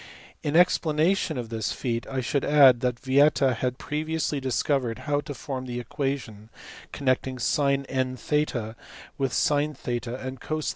In explanation of this feat I should add that Vieta had previously discovered how to form the equation connecting sin nO with sin and cos 0.